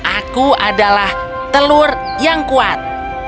aku adalah telur yang kuat